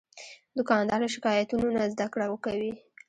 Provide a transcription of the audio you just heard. دوکاندار له شکایتونو نه زدهکړه کوي.